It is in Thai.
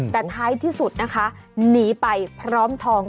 แต่ท้ายที่สุดนะคะหนีไปพร้อมทอง